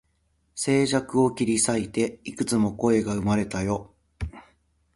静寂を切り裂いて、幾つも声が生まれたよ